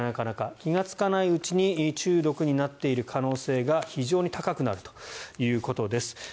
気がつかないうちに中毒になっている可能性が非常に高くなるということです。